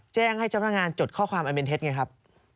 แจ้งให้พนักงานจดข้อความอันเป็นเท็จไงครับ